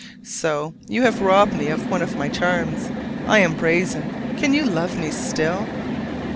So! you have robbed me of one of my charms: I am brazen. Can you love me still?